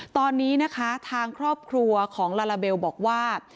ตอนนี้นะคะทางครอบครัวของลาลาเบลบอกว่า